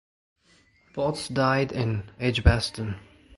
Potts died in Edgbaston.